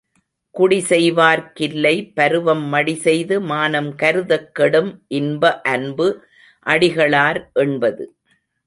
குடி செய்வார்க் கில்லை பருவம் மடிசெய்து மானம் கருதக் கெடும் இன்ப அன்பு அடிகளார் எண்பது.